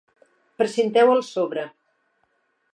Precinteu el sobre.